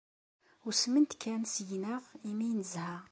Usment kan seg-neɣ imi ay nezha.